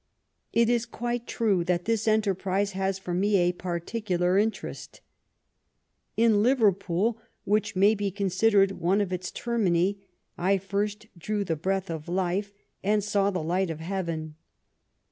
It is quite true that this enterprise has for me a particular interest. In Liverpool, which may be considered one of its ter mini, I first drew the breath of life and saw the light of heaven.